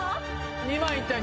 ２万いったよ